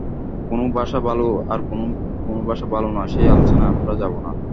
কোন ভাষা ভালো আর কোন ভাষা ভালো না, সেই আলোচনায় আমরা যাবো না।